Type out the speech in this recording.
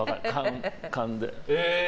勘で。